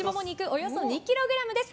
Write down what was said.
およそ２ｋｇです。